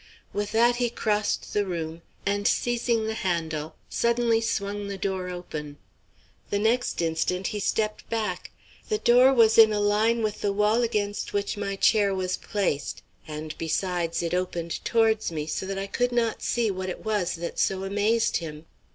With that he crossed the room, and seizing the handle suddenly swung the door open. The next instant he stepped back. The door was in a line with the wall against which my chair was placed, and besides it opened towards me so that I could not see what it was that so amazed him.